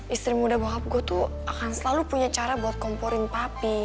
istri muda bahwa gue tuh akan selalu punya cara buat komporin papi